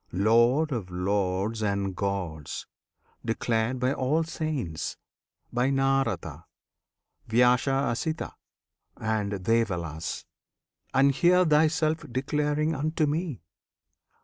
Lord of Lords and Gods! Declared by all the Saints by Narada, Vyasa Asita, and Devalas; And here Thyself declaring unto me!